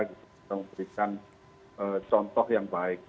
kita memberikan contoh yang baik